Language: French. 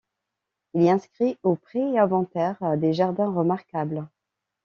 Il est inscrit au pré-inventaire des jardins remarquables.